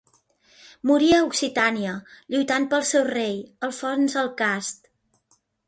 Morí a Occitània, lluitant pel seu rei, Alfons el Cast.